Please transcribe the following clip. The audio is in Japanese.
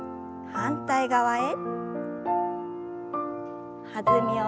反対側へ。